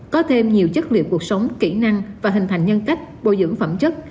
việc cuộc sống kỹ năng và hình thành nhân cách bồi dưỡng phẩm chất